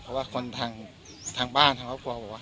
เพราะว่าคนทางบ้านทางครอบครัวบอกว่า